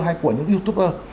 hay của những youtuber